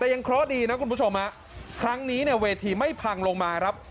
แต่ยังเคราะห์ดีนะคุณผู้ชมฮะครั้งนี้เนี่ยเวทีไม่พังลงมาครับ